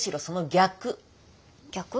逆？